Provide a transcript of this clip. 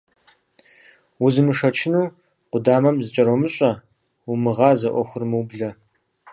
Узымышэчыну къудамэм зыкӀэромыщӀэ, умыгъазэ Ӏуэхур умыублэ.